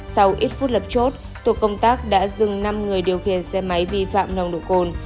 sau ít phút lập chốt tổ công tác đã dừng năm người điều khiển xe máy vi phạm nồng độ cồn